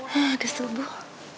eh udah subuh